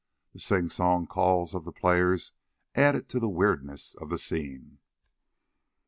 The sing song calls of the players added to the weirdness of the scene.